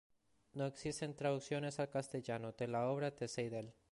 No existen traducciones a castellano de la obra de Seidel.